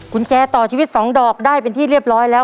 กุญแจต่อชีวิต๒ดอกได้เป็นที่เรียบร้อยแล้ว